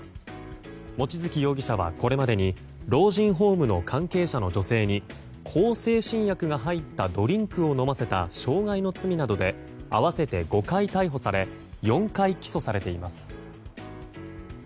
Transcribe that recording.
望月容疑者はこれまでに老人ホームの関係者の女性に向精神薬が入ったドリンクを飲ませた傷害の罪などで合わせて５回逮捕され４回起訴されています。